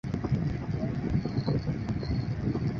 相当迷恋自己的一身的流线型的外壳。